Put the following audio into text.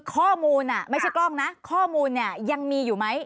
ข้อมูลไม่ใช่กล้องนะข้อมูลเนี่ยยังมีอยู่ไหม